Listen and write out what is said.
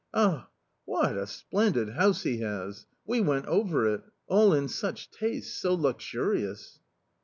Ah ! what a splendid house he has ! we went over it ; all in such taste, so luxurious